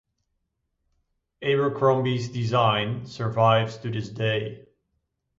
Abercrombies design survives to this day.